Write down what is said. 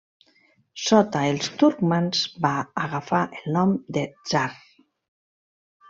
Sota els turcmans va agafar el nom de Tsar.